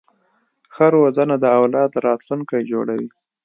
ښه روزنه د اولاد راتلونکی جوړوي.